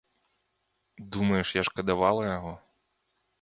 Думаеш, я шкадавала яго?